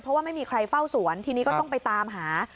เพราะว่าไม่มีใครเฝ้าสวนทีนี้ก็ต้องไปตามหา